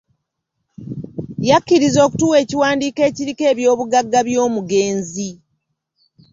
Yakkiriza okutuwa ekiwandiiko ekiriko eby'obugagga by'omugenzi.